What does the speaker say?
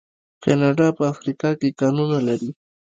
کاناډا په افریقا کې کانونه لري.